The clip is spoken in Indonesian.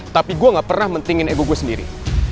tapi gue gak pernah mentengin ego gue sendiri